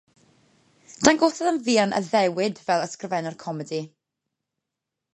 Dangosodd yn fuan addewid fel ysgrifennwr comedi.